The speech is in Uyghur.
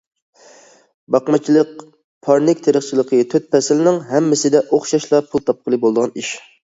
باقمىچىلىق، پارنىك تېرىقچىلىقى تۆت پەسىلنىڭ ھەممىسىدە ئوخشاشلا پۇل تاپقىلى بولىدىغان ئىش.